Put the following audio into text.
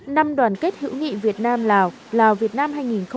năm đoàn kết hữu nghị việt nam lào lào việt nam hai nghìn một mươi tám